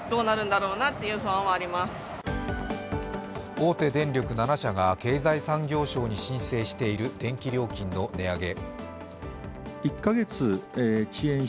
大手電力７社が経済産業省に申請している電気料金の値上げ。